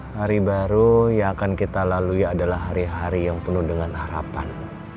hari baru yang akan kita lalui adalah hari hari yang penuh dengan harapan